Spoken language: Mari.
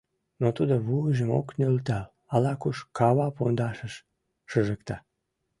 Но тудо вуйжым ок нӧлтал, ала-куш кава пундашыш шыжыкта.